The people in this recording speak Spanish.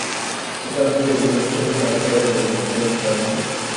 Se trata del primer choque en las Guerras de religión de Francia.